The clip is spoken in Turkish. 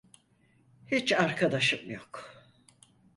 Hiç arkadaşım yok.